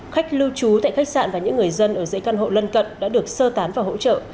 khách lưu trú tại khách sạn và những người dân ở dãy căn hộ lân cận đã được sơ tán và hỗ trợ